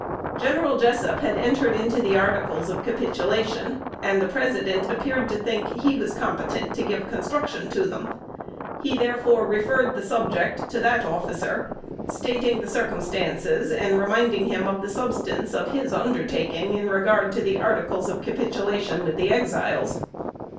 General Jessup had entered into the articles of capitulation, and the President appeared to think he was competent to give construction to them; he therefore referred the subject to that officer, stating the circumstances, and demanding of him the substance of his undertaking in regard to the articles of capitulation with the Exiles.